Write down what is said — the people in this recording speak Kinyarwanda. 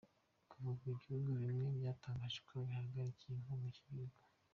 Kuva ubwo ibihugu bimwe byatangaje ko bihagarikiye inkunga iki gihugu.